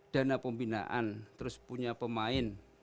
dana pembinaan terus punya pemain